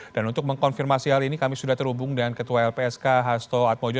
dan untuk mengkonfirmasi hal ini kami sudah terhubung dengan ketua lpsk hasto atmojo